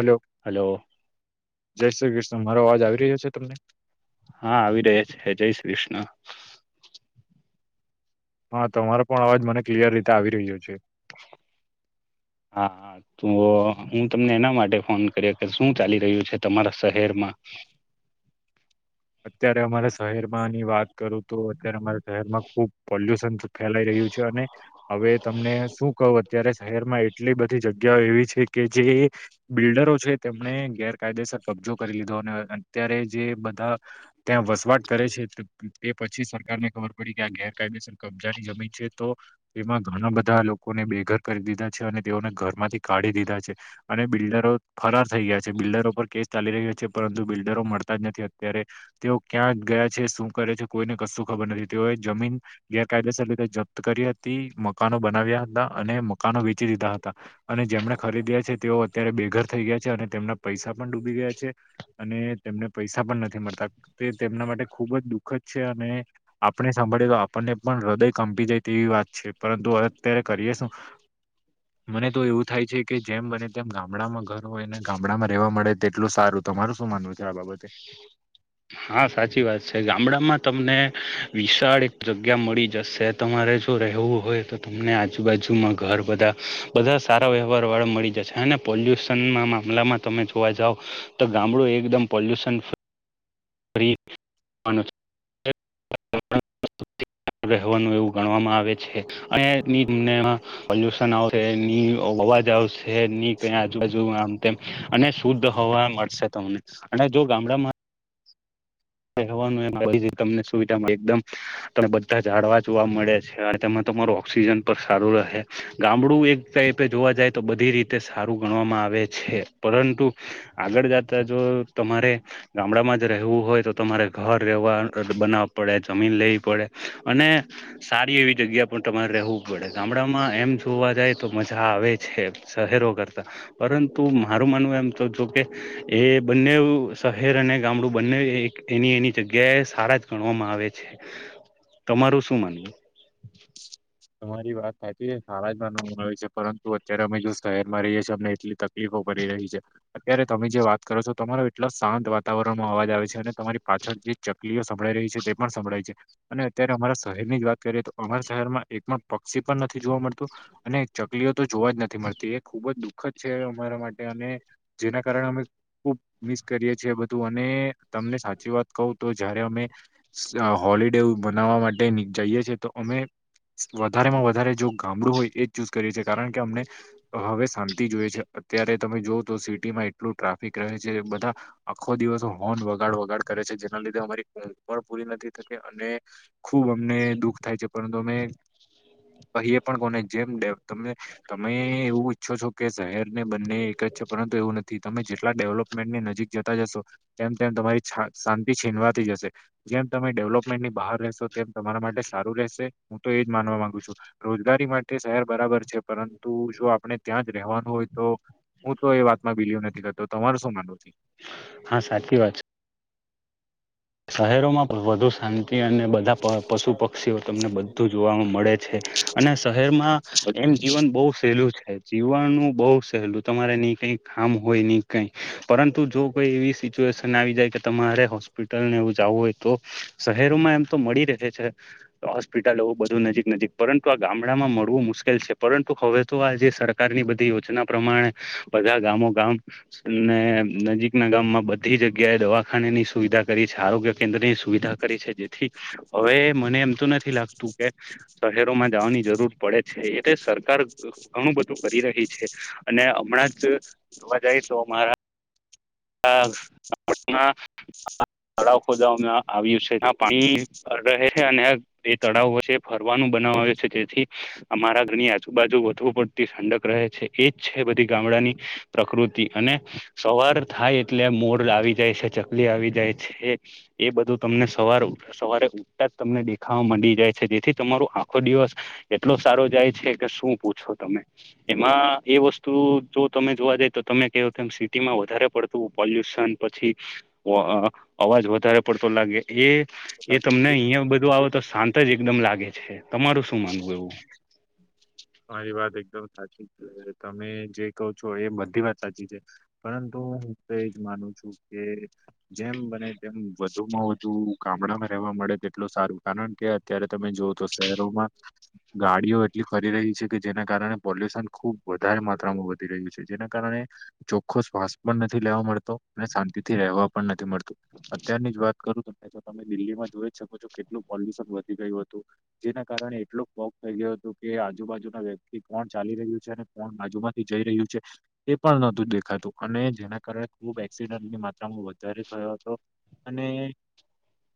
Hello, hello. જય શ્રી કૃષ્ણ મારો અવાજ આવી રહ્યો છે તમને. હા આવી રહ્યા છે જય શ્રી કૃષ્ણ હા તમારો પણ અવાજ મને ક્લયર રીતે આવી રહ્યો છે. હા તો હું તમને એના માટે ફોન કર્યો કે શું ચાલી રહ્યું છે તમારા શહેરમાં. [inaudible] અત્યારે અમારા શહેરમાંની વાત કરું તો અત્યારે અમારા શહેરમાં ખુબ પોલ્યુશન ફેલાઈ રહ્યું છે, અને હવે તમને શું કવું અત્યારે શહેરમાં એટલી બધી જગ્યાઓ એવી છે, કે જે બિલ્ડરો છે, તેમને ગેરકાયદેસર ક બ જો કરી લીધો અને અત્યારે જે બધા ત્યાં વસવાટ કરે છે, તે પછી સરકારને ખબર પડી કે આ ગેરકાયદેસર કબજાની જમીન છે. તો એમાં ઘણા બધા લોકોને બેઘર કરી દીધા છે, અને તેઓને ઘરમાંથી કાઢી દીધા છે. અને બિલ્ડરો ફરાર થઈ ગયા છે, બિલ્ડરો પર કેસ ચાલી રહ્યા છે, પરંતુ બિલ્ડરો મળતા જ નથી અત્યારે. તેઓ ક્યાં ગયા છે, શું કરે છે, કોઈને કશું ખબર નથી તેઓ જમીન ગેરકાયદેસર લીધે કરી હતી મકાનો બનાવ્યા હતા અને મકાનો વેચી દીધા હતા અને જેમણે ખરીદ્યા છે, તેઓ અત્યારે બેઘર. થ ગયા છે, અને તેમના પૈસા પણ ડૂબી ગયા છે, અને તેમને પૈસા પણ નથી મળતા ખુબ જ દુઃખ જ છે, અને આપણે સાંભળીએ તો આપણને પણ હૃદય કંપી જાય તેવી વાત છે, પરંતુ અત્યારે કરીએ શું. મને તો એવું થાય છે, કે જેમ બને તેમ ગામડામાં ઘર હોય ને ગામડામાં રેવા મળે તેટલું સારું તમારું શું માનવું છે, આ બાબતે. હા સાચી વાત છે, ગામડામાં તમને વિશાળ એક જગ્યા મળી જશે તમારે. જો રહેવું હોય તો તમને આજુબાજુમાં ઘર બધા બધા સારા વ્યવહારવાળા મળી જશે અને પોલ્યુશન ના મામલામાં તમે જોવા જાવ તો ગામડું એકદમ પોલ્યુશન ફરી રહેવાનું એવું ગણવામાં આવે છે, અને તમને પોલ્યુશન આવશે એની અવાજ [unintelligible] આજુબાજુ આમ તેમ અને શુદ્ધ હવા મળશે તમને અને જો ગામ [unintelligible] [unintelligible] એ તમને સુવિધા એકદમ તને બધા જાડવા જોવા મળે છે તમારું ઓક્સિજન પર સારું રહે ગામડું એક ટાઈપે જોવા જાય તો બધી રીતે સારું ગણવામાં આવે આવે છે, પરંતુ આગળ જતા જો તમારે ગામડામાં જ રહેવું હોય તો તમારે ઘર રહેવા બનાવવા પડે જમીન લેવી પડે, અને સારી એવી જગ્યા. પણ તમારે રહેવું પડે ગામડામાં એમ જોવા જાય. તો મજા આવે છે, શહેરો કરતા પરંતુ મારું માનવું એમ તો જો, કે એ બંને શહેર અને ગામડું બંને. એની એની જગ્યાએ સારા જ ગણવામાં આવે છે, તમારું શું માનવું. [unintelligible] [inaudible] તમારી વાત થાયતી સારાજમાં નવ આવે છે, પરંતુ અત્યારે અમે જો શહેર માં રહીએ છીએ, અમને એટલી તકલીફ. રહી છે, અત્યારે તમે જે વાત કરો છો, તમારો એટલા શાંત વાતાવરણમાં અવાજ આવે છે, અને તમારી પાછળ. જે ચકલીઓ સંભળાઈ રહી છે, તે પણ સંભળાય છે, અને અત્યારે અમારા શહેર ની જ વાત કરીએ તો અમારા શહેરમાં. એક પણ પક્ષી પણ નથી જોવા મળતું અને ચકલીઓ તો જોવા જ નથી મળતી એ ખુબ જ દુઃખદ છે, અમારા. એટલા માટે અમે મિસ કરી [unintelligible] અને તમને સાચી વાત. કહ તો જયારે અમે હોલિડે બનાવવા માટે જઈએ, છેએ તો અમે. વધારેમાં વધારે જો ગામડું હોય એ જ ચૂઝ કરીએ છીએ, કારણ કે અમને હવે શાંતિ જોઈએ છે. અત્યારે તમે જોવઓ તો સિટીમાં એટલું ટ્રાફિક રહે છે, બધા આખો દિવસો હોર્ન વગાડ વગાડ કરે છે. જેના લીધે અમારી કો પણ પૂરી નથી થતી અને ખુબ અમને દુઃખ થાય છે, પરંતુ અમે. અહી એ પણ કોને જેમ તમે તમે એવું ઈચ્છો છો, કે શહેર. ને બંને એક જ છે, પરંતુ એવું નથી તમે જેટલા ડેવલપમેન્ટને નથી. જતા જશો તેમ તેમ તમારી શાંતિ છીનવાતી જશે, જેમ તમે ડેવલપમેન્ટની બહાર રહે. તો તેમ તમારા માટે સારું રહેેશે. તો એ જ માનવા માંગુ છું રોજગારી માટે શહેર બરાબર છે, પરંતુ જો આપણે ત્યાં જ રહેવાનું હોય તો. હું તો એ વાતમાં બિલીવ નથી કરતો તમારે શું માનવું. હા સાચી વાત છે. શહેરોમાં વધુ શાંતિ અને બધા. પણ પશુ પક્ષીઓ તમને બધું જોવાવામાં મળે છે, અને શહેરમાં એમ જીવન બહું. સેલું છે. જીવનનું બહું સહેલું તમારે નઈ કઈ કામ હોય નઈ કઈ પરંતુ જો કોઈ એવી સિચ. સીચવેશન આવી જાય કે તમારે હોસ્પિટલ. ને એવું જવું હોય તો શહેરોમાં એમ તો મળી રહે છે, હોસ્પિટલ એવું બધું નજીક નજીક પરંતુ આ ગામડામાં મળવું મુશ્કેલ છે, પરંતુ હવે તો આ જે સરકારની બધી યોજના પ્રમાણે બધા ગામો ગામ ને નજીક ના ગામમાં બધી જગ્યાએ દવાખાને ની સુવિધા આરોગ્ય કેન્દ્રની સુવિધા કરી છે, જેથી હવે મને નથી લાગતું કે, શહેરોમાં જવાની જરૂર પડે છે, એટલે સરકાર ઘણું બધું કરી રહી છે અને હમણાં જોવા જાય તો મારા હ પટના તળાવ ખોદવામાં આવ્યું છે, ત્યા પાણી રહે છે અને બે તળાવ વચ્ચે ફરવા. નુ બનાવા આવ્યું છે, જેથી અમારા ઘરની આજુબાજુ વધવુ પડતી ઠંડક રહે છે એજ છે, બધી ગામડાની પ્રકૃતિ અને સવાર થાય એટલે મોર આવી જાય છે, ચકલી આવી જાય છે, એ બધું તમને સવાર સવારે ત્યાં જ તમને દેખાવા મડી જાય છે, જેથી તમારો આખો દિવસ એટલો સારો જાય છે. કે શું પુછો તમે એમાં એ વસ્તુ જો તમે જોવા જાય તો તમે ક કે સિટીમાં વધારે પડતું પોલ્યુશન પછી અવાજ વધારે પડતો લાગે. એ એ તમને અહિયાં બધું છે આવે તો શાંત જ એકદમ લાગે છે. તમારું શું માનવું એવું. મારી વાત એકદમ સાચી છે, તમે જે કહ છો, એ બધી વાત સાચી છે, પરંતુ હું હું તો એજ માનું છું, કે જેમ બને તેમ વધુ માં વધુ ગામડામાં રહેવા. મળે તેટલું સારું કારણ કે અત્યારે તમે જોઓ તો શહેરોમાં ગાડીઓ એટલી ફરી રહી છે, કે જેના કારણે પોલ્યુશન ખુબ વધારે માત્રામાં વધી રહ્યું છે. જેના કારણે ચોખ્ખો શ્વાસ પણ નથી લેવા મળતો અને શાંતિ થી રહેવા પણ નથી મળતો. અત્યારની જ વાત કરું તો તમે દિલ્હીમાં જોઈ શકો છો કેટલું પોલ્યુશન વધી ગયું હતું જેના કારણે એટલો. થય ગયું હતુ કે આજુબાજુના વ્યક્તિ કોણ ચાલી રહ્યું છે અને કોણ બાજુમાંથી જઈ રહ્યું છે તે પણ. દેખાતું અને જેના કારણે ખુબ એક્સિડન્ટની માત્રામાં વધારે થયો હતો. અને.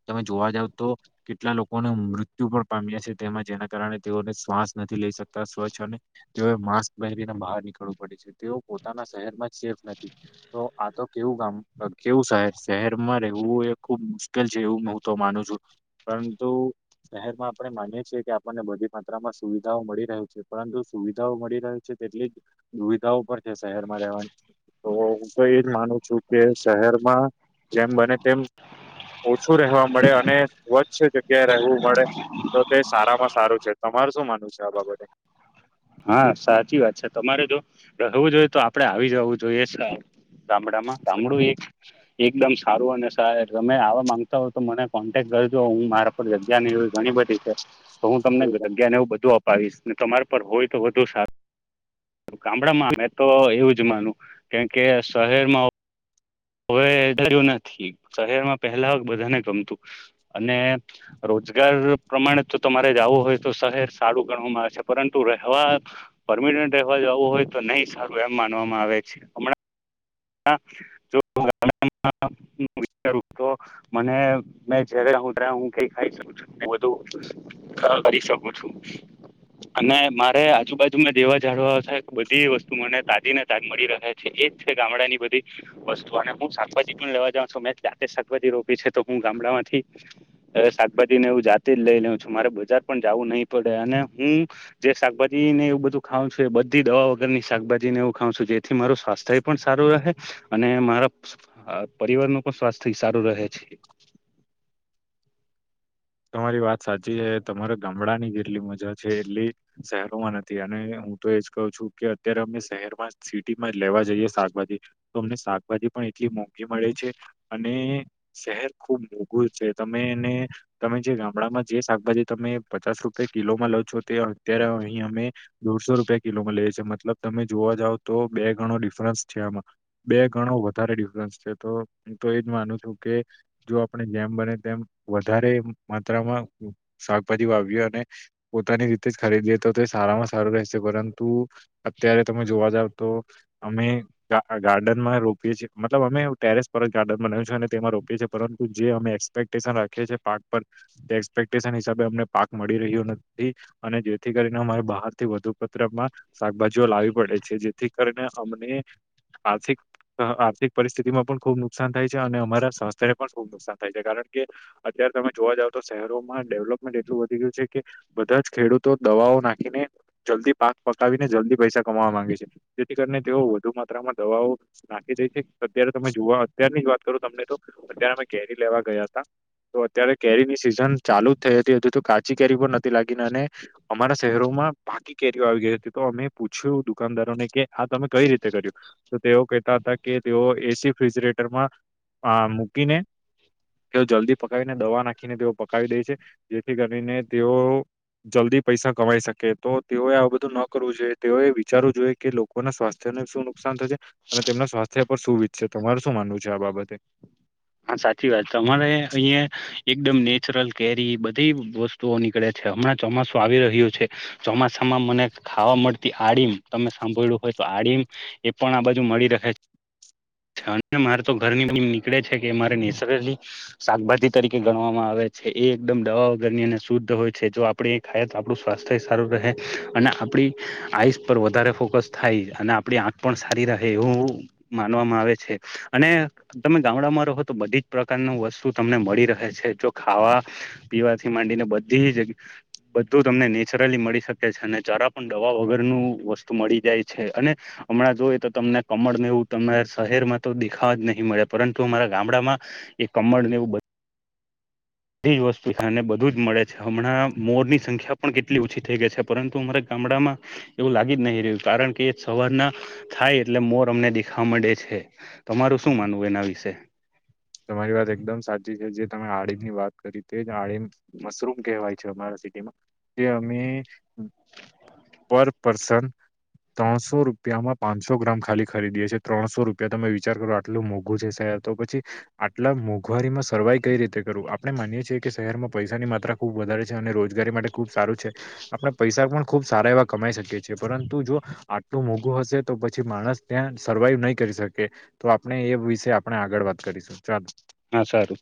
તમે જોવા જાવ તો કેટલા લોકોને મૃત્યુ પણ પામ્યા છે તેમાં જેના. કારણે તેઓને શ્વાસ નથી લઈ શકતા સ્વચ્છ અને તેઓએ માસ્ક પહેરીને બહાર નીકળવું પડે છે તેઓ. પોતાના શહેરમાં જ સેફ નથી તો આ તો કેવું ગામ. હ કેવું શહેર શહેરમાં રવું એક. ખુબ મુશ્કેલ છે એવું હું તો માનું છું પરંતુ શહેરમાં આપણે માની છી કે. ને બધી માત્રામાં સુવિધાઓ મળી રહ્યું છે પરંતુ સુવિધાઓ મળી રહ્યું છે તેટલી જ દુવિધાઓ પણ. શહેરમાં રહેવાની તો હું કઈ એજ માનું છું કે શહેરમાં. જેમ બને તેમ. ઓછું રહેવા મળે અને સ્વચ્છ જગ્યાએ રહેવું મળે તો તે સારામાં. સારું છે તમાર શું માનવ છે આ બાબતે. હા સાચી વાત છે તમારે જો રહેવું જોઈએ તો આપડે આવી જવું જોઈએ. ગામડામાં ગામડું એક. એકદમ સારું અને તમે આવા માંગતા હોય તો મને કોન્ટેક્ટ કરજો હું મારા પર જગ્યા નહીં હોય ઘણી. તો હું તમને જગ્યા ને એવું બધું અપાવીશ ને તમાર પર હોય તો વધુ સારું. ગામડામાં મેં તો મેતો એવું જ માનું કેમ કે શહેરમાં. હવે. શહેરમાં પહેલા બધાને ગમતું અને રોજગાર. પ્રમાણે જો તમારે જવું હોય તો શહેર સારું ગણવામાં આવે છે પરંતુ રહેવા પરમિનન્ટ રહેવા. જવું હોય તો નહી સારું એમ માનવામાં આવે છે હમણાં. [unintelligible] મને મે જયારે હું ક ખાઈ [unintelligible] છું [unintelligible] કરી શકું છું. અને મારે આજુબાજુમાંં દેવા જાળવા હશે બધી વસ્તુ મને તાજી ને તાજ મળી રાખે છે, એ જ છે. ગામડા ની બધી વસ્તુ અને હું શાકભાજી પણ લેવા જઉં છું મેં જાતે જ શાકભાજી રોપી છે, તો હું ગામડામાંથી. શાકભાજી ને હવું જાતે જ લઈ લઉ છું મારે બજાર પણ જવું [unintelligible] પડે અને હું. જે શાકભાજી ને એવું બધું ખાઉ [unintelligible] છે એ બધી [unintelligible] વગર શાકભાજી ને એવું ખઉ છું જેથી મારો સ્વાસ્થ્ય. પણ સારું રહે અને મારા પરિવાર ન પણ સ્વાસ્થ્ય સારું રહે છે. [inaudible] તમારી વાત સાચી છે, તમારે ગામડા ની જેટલી મજા છે, એટલી. શહેરોમાં નથી અને હું તો એજ કહું છું કે અત્યારે અમે શહેરમાં સિટી માં જ લેવા જઈએ શાકભાજી. તોમને શાકભાજી પણ એટલી મોંઘી મળે છે, અને શહેર ખુબ મોઘુ છે. તમે એને. તમે જે ગામડામાં જે શાકભાજી તમે પચાસ રૂપિયા કિલોમાં લાવ છો તે અત્યારે અહી અમે. દોરસો રૂપિયા કિલોમાં લે છે, મતલબ તમે જોવા જાવ તો બે ગણો ડિફરન્સ છે, આમાં બે ગણો. વધારે ડિફરન્સ છે, તો હું તો એજ માનું છું કે જો આપણે જેમ બને તેમ વધારે. માત્રામાં શાકભાજી વાવીએ અને પોતાની રીતે જ ખરીદીએ તો તે સારામાં સારું રહેશે. પરંતુ અત્યારે તમે જોવા જાવ તો અમે ગાર્ડનમાં રોપીએ છીએ. મતલબ અમે ટેરેસ પર જ ગાર્ડન બનાવ્યું છે, અને તેમાં [unintelligible] છીએ પરંતુ જે અમે એક્સપેક્ટેશન [unintelligible] છીએ [unintelligible] તે એક્સપેક્ટેશન હિસાબે અમને પાક મળી રહ્યો નથી અને જેથી કરીને અમારે બહારથી વધુ. શાકભાજીઓ લાવવી પડે છે, જેથી કરીને અમને. આર્થિક આર્થિક પરિસ્થિતિમાં પણ ખુબ નુકસાન થાય છે, અને અમારા સંસ્થાને પણ ખુબ નુકસાન થાય છે, કારણ. અત્યાર સમય. જોવા જાવ તો શહેરોમાં ડેવલપમેન્ટ એટલું વધી ગયું છે, કે બધા જ ખેડૂતો દવાઓ નાખીને. જલ્દી પાક પકાવીને જલ્દી પૈસા કમાવા માંગે છે, જેથી કરીને તેઓ વધુ માત્રામાં દવાઓ નાખી જ. અત્યારે તમે જોવા અત્યારની જ વાત કરો તમને તો અત્યારે અમે ઘેરી લેવા ગયા હતા તો અત્યારે. કેરી ની સિઝન ચાલુ જ થઈ હતી હજુ તો કાચી કેરી પણ નથી લાગીને અને અમારા શહેરોમાં બાકી. કેરીઓ આવી ગઈ હતી તો અમે પૂછ્યું દુકાનદારોને કે આ તમે કઈ રીતે કર્યું તો તેઓ કહેતા હતા કે. તેઓ એસી ફિજરેટરમાં મૂકીને તેઓ જલ્દી પકાવીને દવા નાખી. ખીને તેઓ પકાવી દે છે, જેથી કરીને તેઓ. જલ્દી પૈસા કમાઈ શકે તો તેઓએ આ બધું ન કરવું જોઈએ તેઓએ વિચારવું જોઈએ કે લોકોના સ્વાસ્થ્ય. શું નુકસાન થશે અને તેમના સ્વાસ્થ્ય પર શું વિચશે તમાર શું માનવું છે, આ બાબતે. હા સાચી વાત તમારે અહં એકદમ નેચરલ કેરી બધી વસ્તુઓ નીકળે છે. હમણાં ચોમાસું આવી રહ્યું છે, ચોમાસામાં મને ખાવા મળતી આડીમ. તમે સાંભળ્યું હોય તો આડીમ એ પણ આ બાજુ મળી રહે છે. મારે તો ઘરની [unintelligible] નીકળે છે, કે મારે નેચરલી શાકભાજી તરીકે ગણવામાં આવે. એ એકદમ દવા વગર ની અને શુદ્ધ હોય છે, જો આપડે એ ખાય તો આપણું સ્વાસ્થ્ય સારું રહે અને. [unintelligible] આઈસ પર વધારે ફોકસ થાય અને આપણી આંખ પણ સારી રહે એવું. તમે ગામડામાં રહો તો બધી જ પ્રકાર વસ્તુ તમને મળી રહે છે ખાવા પીવાથી માંડીને બધી જ્યા. બધું તમને નેચરલી મળી શકે છે, અને જરા પણ દવા વગરનું વસ્તુ મળી જાય છે, અને. હમણાં જોઈએ તો તમને કમળ [unintelligible] તમને શહેરમાં તો દેખાવા જ નહીં મળ્યા પરંતુ અમારા ગામડામાં એ કમળને એવું બ બધી જ વસ્તુ [unintelligible] ને બધું જ મળે છે, હમણાં મોરની સંખ્યા પણ કેટલી ઓછી થઈ ગઈ છે, પરંતુ અમારા ગામ. [unintelligible] એવું લાગી જ નહી રહ્યું કારણ કે એ સવાર ના થાય એટલે મોર અમને દેખાવામાંડે છે. તમારું શું માનવું એના વિશે. તમારી વાત એકદમ સાચી છે, જે તમે આળ ની વાત કરી તે જ આળ મશરૂમ કહેવાય છે, અમારા. માં જે અમે. [inaudible] પર પસન. ત્રણસો રૂપિયામાં પાંચસો ગ્રામ ખાલી [unintelligible] ત્રણસો રૂપિયા તમે વિચાર કરો આટલું મોંઘું છે સાહેબ. તો પછી. આટલા મોંઘવારી માં સર્વાઈ કઈ રીતે કરવું આપણે માનીએ છીએ કે શહેરમાં પૈસાની માત્રા ખુબ વધારે છે અને રોજગારી ખબ સારું છે આપણે પૈસા પણ ખુબ સારા એવા કમાઈ શકીએ છીએ પરંતુ જો આટલું મોઘું હશે તો પછી માણસ ત્યાં સર્વાઈવ નહી કરી શકે તો આપણે એ વિશે આપણે આગળ વાત કરીશું ચાલો હા સારું